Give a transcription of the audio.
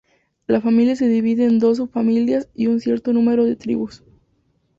La familia se divide en dos subfamilias y un cierto número de tribus.